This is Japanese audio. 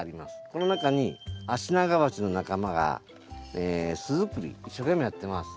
この中にアシナガバチの仲間が巣作り一生懸命やってます。